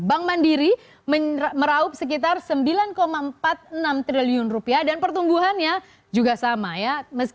bank mandiri meraup sekitar sembilan empat puluh enam triliun rupiah dan pertumbuhannya juga sama ya